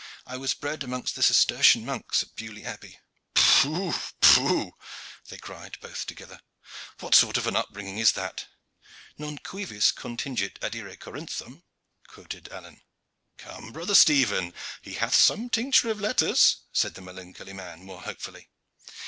I was bred amongst the Cistercian monks at Beaulieu Abbey." "Pooh, pooh!" they cried both together. "What sort of an upbringing is that?" "Non cuivis contingit adire Corinthum," quoth Alleyne. "Come, brother Stephen, he hath some tincture of letters," said the melancholy man more hopefully.